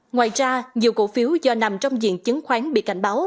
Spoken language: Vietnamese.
ngoài ra nhiều cổ phiếu do nằm trong diện chứng khoán bị cảnh báo